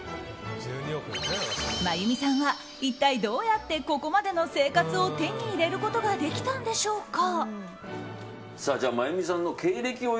真弓さんは一体どうやってここまでの生活を手に入れることができたのでしょうか。